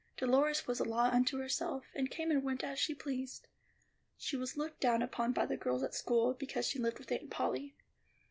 Dolores was a law unto herself, and came and went as she pleased. She was looked down upon by the girls at school, because she lived with Aunt Polly.